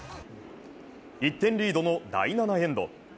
１点リードの第７エンド。